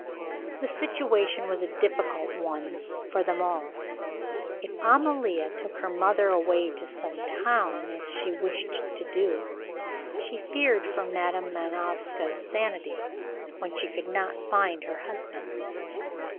The situation was a difficult one for them all. If Amalia took her mother away to some town, as she wished to do, she feared for Madam Manovska's sanity when she could not find her husband.